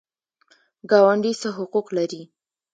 ګاونډي څه حقوق لري؟